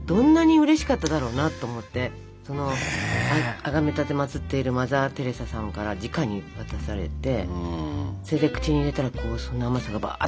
あがめ奉っているマザー・テレサさんからじかに渡されてそれで口に入れたらその甘さがばっと体に広がって。